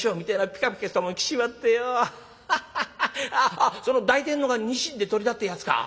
あっその抱いてんのがニシンでトリだってやつか？